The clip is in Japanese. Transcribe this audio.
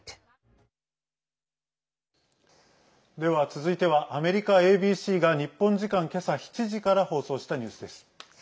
では、続いてはアメリカＡＢＣが日本時間けさ７時から放送したニュースです。